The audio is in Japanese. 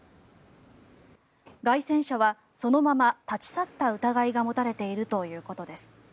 街宣車はそのまま立ち去った疑いが持たれているということです。